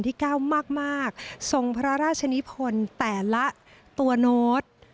ที่ก้าวมากทรงพระราชนิพลแต่ละตัวโน้ต